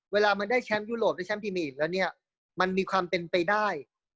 เวลามันได้แชมป์ยุโรปได้แชมป์พรีเมตแล้วเนี่ยมันมีความเป็นไปได้